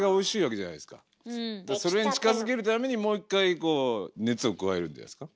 それに近づけるためにもう一回熱を加えるんじゃないですか？